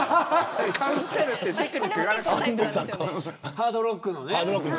ハードロックのね。